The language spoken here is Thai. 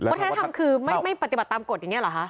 วัฒนธรรมคือไม่ปฏิบัติตามกฎอย่างนี้เหรอคะ